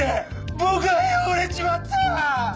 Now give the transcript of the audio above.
僕は汚れちまった！